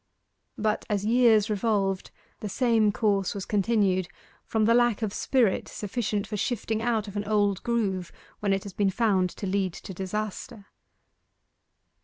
But as years revolved, the same course was continued from the lack of spirit sufficient for shifting out of an old groove when it has been found to lead to disaster.